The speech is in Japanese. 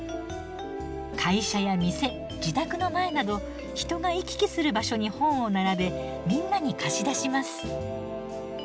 会社や店自宅の前など人が行き来する場所に本を並べみんなに貸し出します。